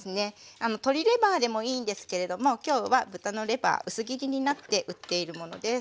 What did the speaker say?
鶏レバーでもいいんですけれども今日は豚のレバー薄切りになって売っているものです。